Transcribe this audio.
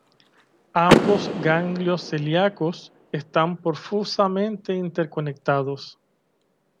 Ambos ganglios celíacos están profusamente interconectados.